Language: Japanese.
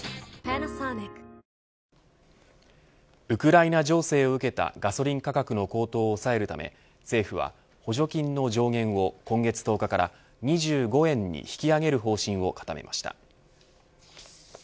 ウクライナ情勢を受けたガソリン価格の高騰を抑えるため政府は補助金の上限を今月１０日から２５円に引き上げる方針を固めました。